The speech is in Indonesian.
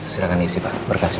silahkan isi pak berkasnya